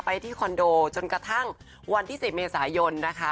ที่คอนโดจนกระทั่งวันที่๑๐เมษายนนะคะ